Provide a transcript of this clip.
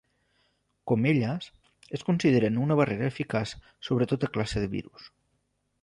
Com elles, es consideren una barrera eficaç sobre tota classe de virus.